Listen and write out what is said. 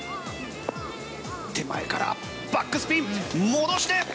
手前からバックスピン！